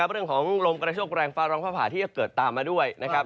เรื่องของลมกระโชคแรงฟ้าร้องฟ้าผ่าที่จะเกิดตามมาด้วยนะครับ